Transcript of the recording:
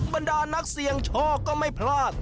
บรรดานักเสี่ยงโชคก็ไม่พลาด